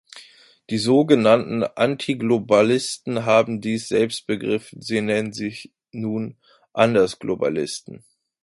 Die so genannten Antiglobalisten haben dies selbst begriffen, sie nennen sich nun "Andersglobalisten".